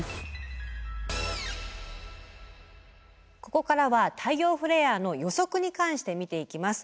ここからは太陽フレアの予測に関して見ていきます。